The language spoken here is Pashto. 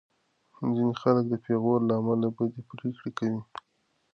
ځینې خلک د پېغور له امله بدې پرېکړې کوي.